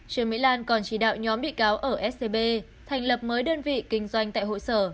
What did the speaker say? trương mỹ lan còn chỉ đạo nhóm bị cáo ở scb thành lập mới đơn vị kinh doanh tại hội sở